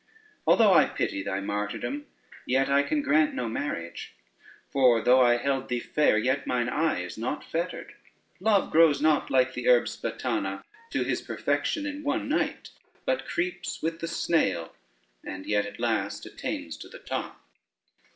Although I pity thy martyrdom, yet I can grant no marriage; for though I held thee fair, yet mine eye is not fettered: love grows not, like the herb Spattana, to his perfection in one night, but creeps with the snail, and yet at last attains to the top.